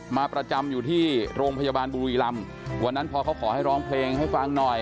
มาประจำอยู่ที่โรงพยาบาลบุรีรำวันนั้นพอเขาขอให้ร้องเพลงให้ฟังหน่อย